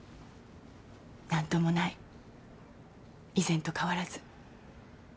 何ともない以前と変わらず。